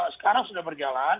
sekarang sudah berjalan